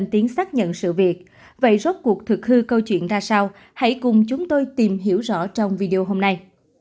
thực hư câu chuyện ra sao hãy cùng chúng tôi tìm hiểu rõ trong video hôm nay